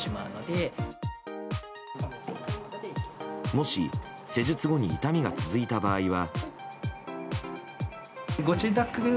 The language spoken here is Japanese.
もし施術後に痛みが続いた場合は。